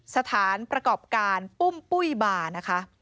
สถานประกอบการปุ้มปุ้ยบานะคะ